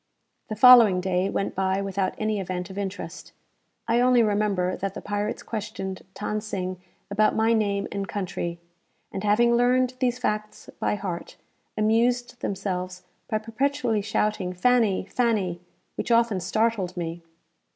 The following day went by without any event of interest. I only remember that the pirates questioned Than Sing about my name and country; and, having learned these facts by heart, amused themselves by perpetually shouting "Fanny! Fanny!" which often startled me.